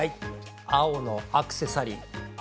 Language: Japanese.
青のアクセサリー。